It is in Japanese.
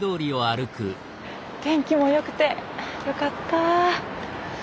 天気も良くてよかった。